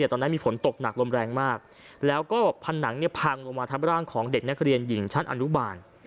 ตอนนั้นมีฝนตกหนักลมแรงมากแล้วก็ผนังพังลงมาทับร่างของเด็กนักเรียนหญิงชั้นอนุบาล